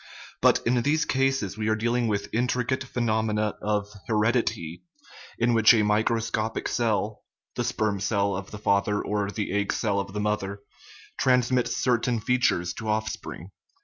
But in these cases we are dealing with intricate phe nomena of heredity, in which a microscopic cell (the sperm cell of the father or the egg cell of the mother) transmits certain features to offspring.